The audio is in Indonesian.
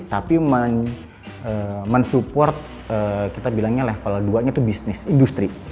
tapi mensupport kita bilangnya level dua nya itu bisnis industri